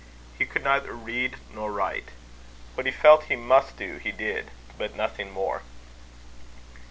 He could neither read nor write. What he felt he must do he did; but nothing more.